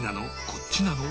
こっちなの？